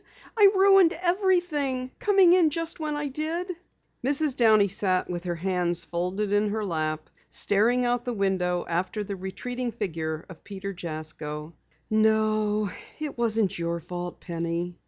I ruined everything, coming in just when I did." Mrs. Downey sat with her hands folded in her lap, staring out the window after the retreating figure of Peter Jasko. "No, it wasn't your fault, Penny."